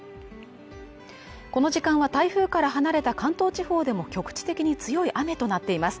この時間は台風から離れた関東地方でも局地的に強い雨となっています